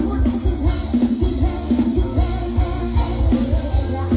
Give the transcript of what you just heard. เวลาที่สุดท้าย